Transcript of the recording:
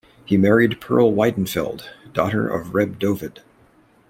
He married Perl Weidenfeld, daughter of Reb Dovid.